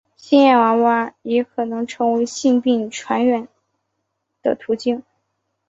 性爱娃娃也可能成为性病传染的途径。